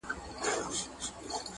بلکي د نورو سره د تعامل